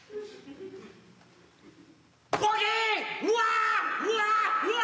うわ！